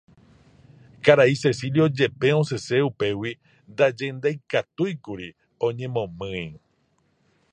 Karai Cecilio jepe osẽse upégui ndaje ndaikatúikuri oñemomýi.